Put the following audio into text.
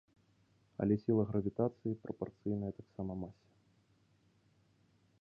Але сіла гравітацыі прапарцыйная таксама масе.